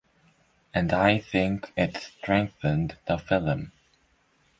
And I think it strengthened the film.